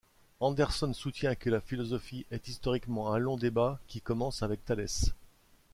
Anderson soutient que la philosophie est historiquement un long débat qui commence avec Thalès.